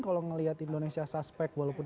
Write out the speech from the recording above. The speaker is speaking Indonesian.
kalau melihat indonesia suspek walaupun